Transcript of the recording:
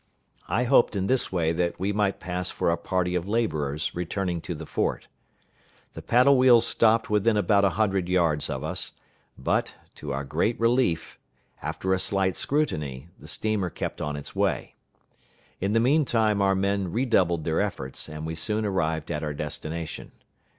I hoped in this way that we might pass for a party of laborers returning to the fort. The paddle wheels stopped within about a hundred yards of us; but, to our great relief, after a slight scrutiny, the steamer kept on its way. In the mean time our men redoubled their efforts, and we soon arrived at our destination.